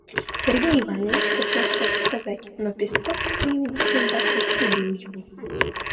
Сергей Иванович хотел что-то сказать, но Песцов своим густым басом перебил его.